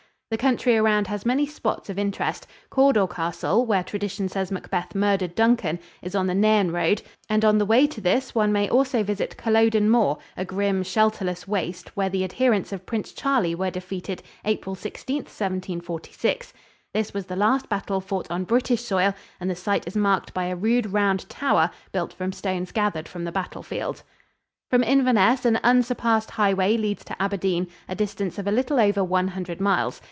The country around has many spots of interest. Cawdor Castle, where tradition says Macbeth murdered Duncan, is on the Nairn road, and on the way to this one may also visit Culloden Moor, a grim, shelterless waste, where the adherents of Prince Charlie were defeated April 16th, 1746. This was the last battle fought on British soil, and the site is marked by a rude round tower built from stones gathered from the battlefield. From Inverness an unsurpassed highway leads to Aberdeen, a distance of a little over one hundred miles.